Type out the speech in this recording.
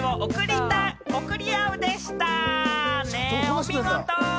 お見事！